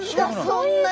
そんなに！